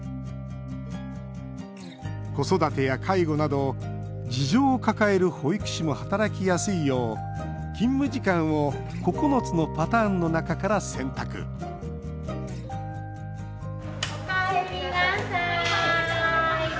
子育てや介護など事情を抱える保育士も働きやすいよう、勤務時間を９つのパターンの中から選択おかえりなさい。